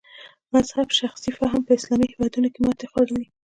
مذهب شخصي فهم په اسلامي هېوادونو کې ماتې خوړلې.